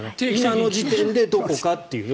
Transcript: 今の時点でどこかという。